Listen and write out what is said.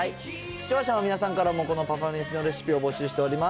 視聴者の皆さんからもこのパパめしのレシピを募集しております。